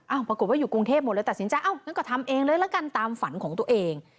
ปรากฏว่าอยู่กรุงเทพหมดเลยตัดสินใจเอ้างั้นก็ทำเองเลยละกันตามฝันของตัวเอง